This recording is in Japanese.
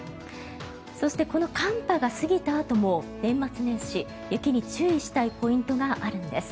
そして、この寒波が過ぎたあとも年末年始、雪に注意したいポイントがあるんです。